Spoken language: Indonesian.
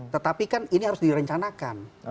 tetapi kan ini harus direncanakan